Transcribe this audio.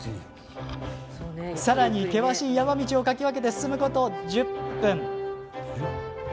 さらに険しい山道をかき分けて進むこと１０分。